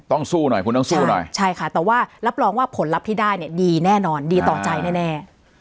สู้หน่อยคุณต้องสู้หน่อยใช่ค่ะแต่ว่ารับรองว่าผลลัพธ์ที่ได้เนี่ยดีแน่นอนดีต่อใจแน่